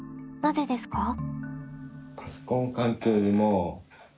なぜですか？